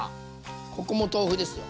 ここも豆腐ですよ。